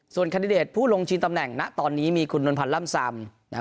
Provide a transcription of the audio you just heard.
ส่วนคันดิเดตผู้ลงชีวิตตำแหน่งณตอนนี้มีคุณน้นพันร่ำซำ